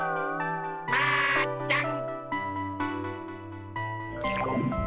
マーちゃん。